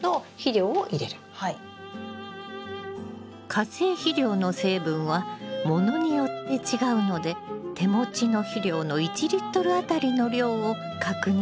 化成肥料の成分はものによって違うので手持ちの肥料の１当たりの量を確認してね。